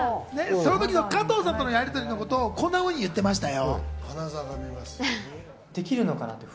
その時の加藤さんとのやりとりをこんなふうに話してましたよ。